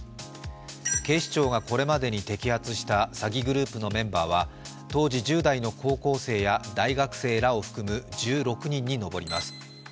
警視庁がこれまでに摘発した詐欺グループのメンバーは当時１０代の高校生や大学生らを含む１６人に上ります。